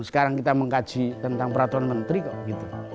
sekarang kita mengkaji tentang peraturan menteri kok gitu